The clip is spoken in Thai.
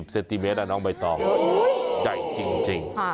เซนติเมตรน้องใบตองใหญ่จริง